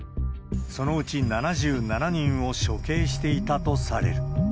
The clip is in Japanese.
そのうち７７人を処刑していたとされる。